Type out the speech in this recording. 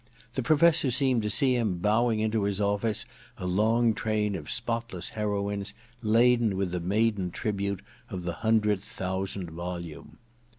The Professor seemed to see him bowing into the office a long train of spotless heroines laden with the maiden tribute of the hundredth thousand volume.